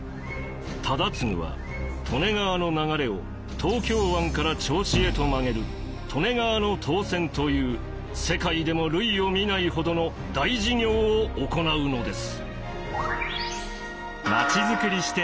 忠次は利根川の流れを東京湾から銚子へと曲げる利根川の東遷という世界でも類を見ないほどの大事業を行うのです。